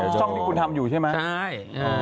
ช่องที่คุณทำอยู่ใช่ไหมใช่อ๋ออ๋ออ๋ออ๋ออ๋ออ๋ออ๋อ